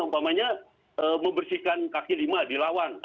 umpamanya membersihkan kaki lima di lawan